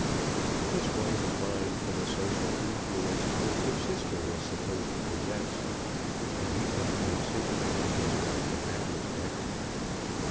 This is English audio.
His wife pined for the social influence which her sister was supposed to possess, but he felt no sympathy with his wife in that respect.